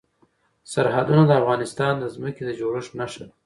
سرحدونه د افغانستان د ځمکې د جوړښت نښه ده.